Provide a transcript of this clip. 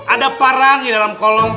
ada parang di dalam kolom